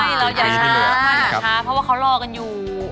ใช่เราอยากอับที่เหลือกมากค่ะเพราะว่าเขารอกันอยู่